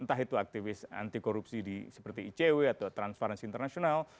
yaitu aktivis anti korupsi seperti icw atau transparency international